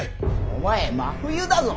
お前真冬だぞ。